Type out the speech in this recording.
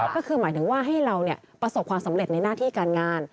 ก็คือหมายถึงว่าให้เราประสบความสำเร็จในหน้าที่การงาน